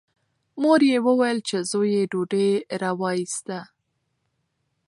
مور یې وویل چې زوی یې ډوډۍ راوایسته.